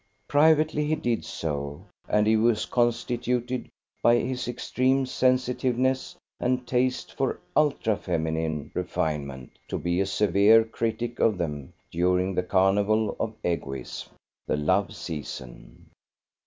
Privately he did so; and he was constituted by his extreme sensitiveness and taste for ultra feminine refinement to be a severe critic of them during the carnival of egoism, the love season.